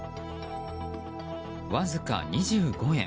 わずか２５円。